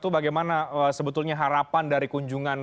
bagaimana sebetulnya harapan dari kunjungan